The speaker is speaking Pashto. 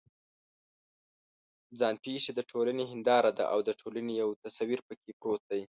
ځان پېښې د ټولنې هنداره ده او د ټولنې یو تصویر پکې پروت دی.